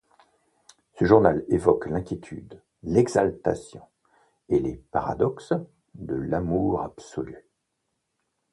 Ce journal évoque l'inquiétude, l'exaltation et les paradoxes de l'amour absolu.